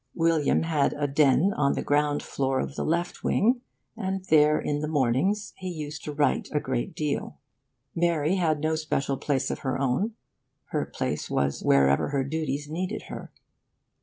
William had a 'den' on the ground floor of the left wing; and there, in the mornings, he used to write a great deal. Mary had no special place of her own: her place was wherever her duties needed her.